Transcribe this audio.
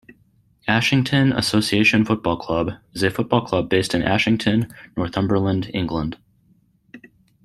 Ashington Association Football Club is a football club based in Ashington, Northumberland, England.